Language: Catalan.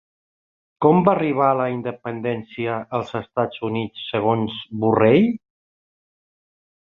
Com van arribar a la independència els Estats Units segons Borrell?